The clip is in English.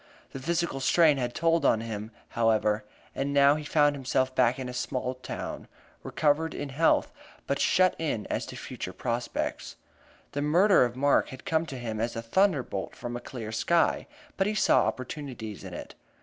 The physical strain had told on him, however, and now he found himself back in a small town, recovered in health, but shut in as to future prospects. The murder of Mark had come to him as a thunderbolt from a clear sky, but he saw opportunities in it.